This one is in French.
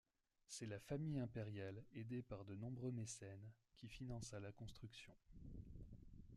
C'est la famille impériale, aidée par de nombreux mécènes qui finança la construction.